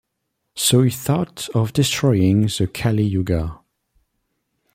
So he thought of destroying the Kali yuga.